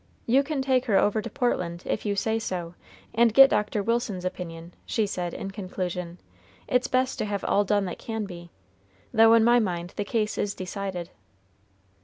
"You can take her over to Portland, if you say so, and get Dr. Wilson's opinion," she said, in conclusion. "It's best to have all done that can be, though in my mind the case is decided."